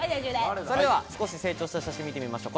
それでは少し成長した写真みてみましょう。